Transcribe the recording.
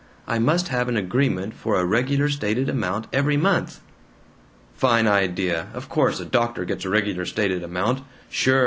I must have an agreement for a regular stated amount, every month." "Fine idea! Of course a doctor gets a regular stated amount! Sure!